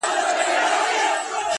ستا پستو غوښو ته اوس مي هم زړه کیږي!.